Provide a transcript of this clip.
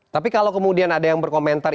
tapi kalau kemudian ada yang berkomentar